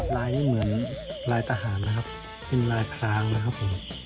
ลายนี้เหมือนลายทหารนะครับเป็นลายพรางนะครับผม